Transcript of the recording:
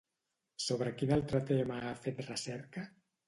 Sobre quin altre tema ha fet recerca?